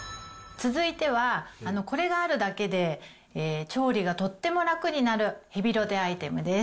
続いては、これがあるだけで調理がとっても楽になるヘビロテアイテムです。